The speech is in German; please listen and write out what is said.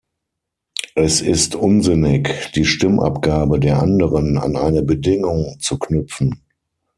Es ist unsinnig, die Stimmabgabe der anderen an eine Bedingung zu knüpfen.